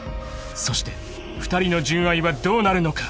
［そして２人の純愛はどうなるのか？］